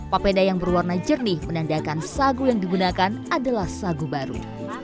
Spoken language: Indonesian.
papeda yang berwarna jernih menandakan sagu yang digunakan adalah sagu baru